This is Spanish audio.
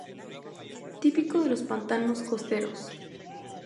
Típico de los pantanos costeros.